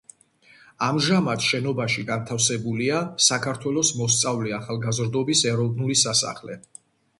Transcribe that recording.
ამჟამად, შენობაში განთავსებულია საქართველოს მოსწავლე-ახალგაზრდობის ეროვნული სასახლე.